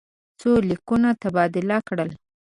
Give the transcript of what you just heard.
څو لیکونه تبادله کړل.